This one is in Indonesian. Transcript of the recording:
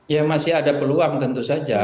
ya masih ada peluang tentu saja